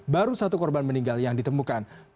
baru satu korban meninggal yang ditemukan